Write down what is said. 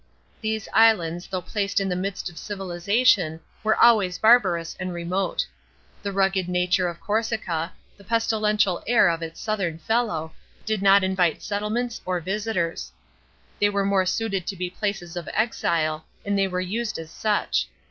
These islands, though placed in the midst of civilisation, were always barbarous and remote. The rugged nature of Corsica, the pesti lential air of its southern fellow, did not invite settlements or visitors; they were more suited to be places of exile, and they were used as such.